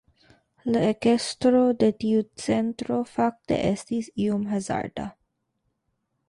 La ekesto de tiu centro fakte estis iom hazarda.